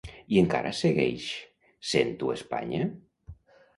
I encara segueix sent-ho Espanya?